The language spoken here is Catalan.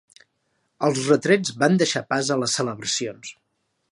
Els retrets van deixar pas a les celebracions.